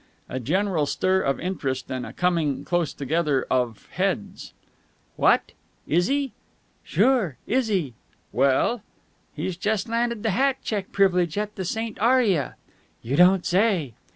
A general stir of interest and a coming close together of heads. "What! Izzy!" "Sure, Izzy." "Well!" "He's just landed the hat check privilege at the St. Aurea!" "You don't say!"